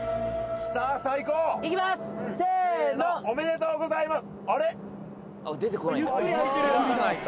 おぉあぁおめでとうございます。